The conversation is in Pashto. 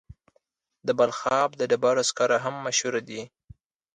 د بلخاب د ډبرو سکاره هم مشهور دي.